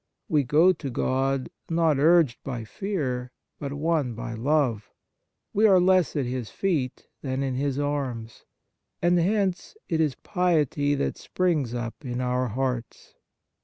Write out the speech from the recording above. We go to God, not urged by fear, but won by love ; we are less at His feet than in His arms. And hence it is piety that springs up in our hearts.